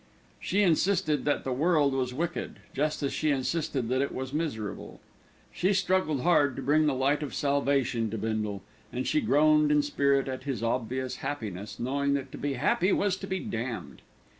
She insisted that the world was wicked, just as she insisted that it was miserable. She struggled hard to bring the light of salvation to Bindle, and she groaned in spirit at his obvious happiness, knowing that to be happy was to be damned.